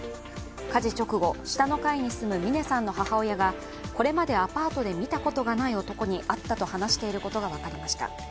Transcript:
火事直後、下の階に住む峰さんの母親がこれまでアパートで見たことがない男に会ったと話していることが分かりました。